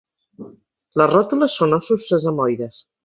Les ròtules són ossos sesamoides.